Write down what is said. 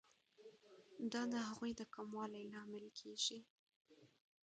دا د هغوی د کموالي لامل کیږي.